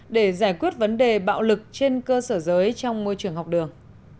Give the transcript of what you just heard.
để giải quyết vấn đề bạo lực trên cơ sở giới trong môi trường học đường